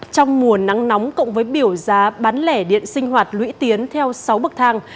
trong mùa nắng nóng cộng với biểu giá bán lẻ điện sinh hoạt lũy tiến theo sáu bậc thang